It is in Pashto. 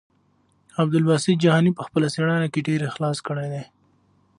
عبدالباسط جهاني په خپله څېړنه کې ډېر اخلاص کړی دی.